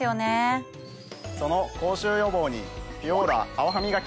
その口臭予防に。